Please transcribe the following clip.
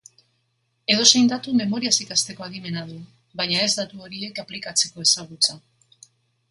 Edozein datu memoriaz ikasteko adimena du baina ez datu horiek aplikatzeko ezagutza.